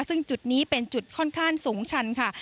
ซึ่งจุดนี้เป็นจุดค่อนข้างสูงชันค่ะ